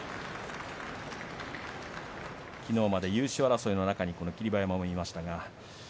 きのうまで優勝争いの中にこの霧馬山もいましたが。